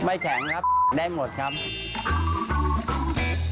ไม่แข็งครับได้หมดครับ